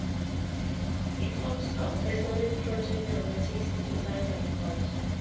It's also a solid proto-New Romantic synthesizer record.